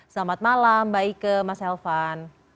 selamat malam mbak ike mas elvan